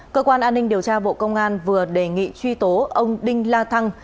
cơ quan an ninh điều tra bộ công an vừa đề nghị truy tố ông đinh la thăng